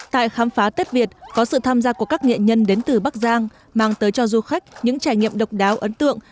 tại khám phá tết việt có sự tham gia của các nghệ nhân đến từ bắc giang mang tới cho du khách những trải nghiệm độc đáo ấn tượng